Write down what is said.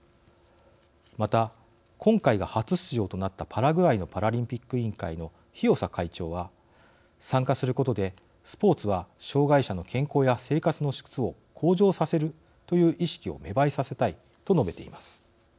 また、今回が初出場となったパラグアイのパラリンピック委員会のヒオサ会長は「参加することでスポーツは障害者の健康や生活の質を向上させるという意識を芽生えさせたい」と述べています。